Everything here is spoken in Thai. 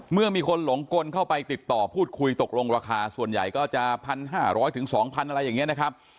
เมื่อมีคนหลงกลเข้าไปติดต่อพูดคุยตกลงราคาส่วนใหญ่ก็จะ๑๕๐๐๒๐๐อะไรอย่างนี้นะครับ